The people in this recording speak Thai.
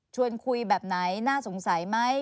ชวนคุยแบบไหนน่าสงสัยไหม